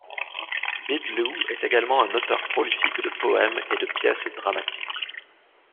Bidloo est également un auteur prolifique de poèmes et de pièces dramatiques.